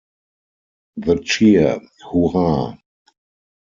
The cheer, Hurrah!